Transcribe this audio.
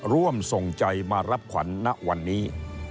ร่วมส่งใจมารับขวัญณวันนี้